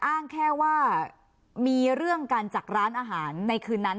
อ้างแค่ว่ามีเรื่องกันจากร้านอาหารในคืนนั้น